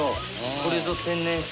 これぞ天然水。